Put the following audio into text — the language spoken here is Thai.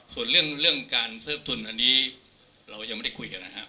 ส่วนเรื่องการเพิ่มทุนอันนี้เรายังไม่ได้คุยกันนะครับ